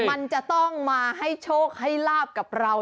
มันจะต้องมาให้โชคให้ลาบกับเรา